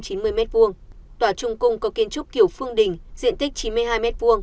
tòa trung cung có kiến trúc kiểu phương đình diện tích chín mươi hai m hai